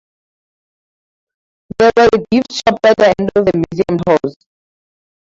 There was a gift shop at the end of the museum tours.